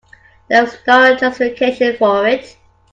There was no justification for it.